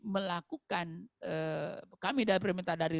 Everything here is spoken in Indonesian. melakukan kami dari pemerintah dari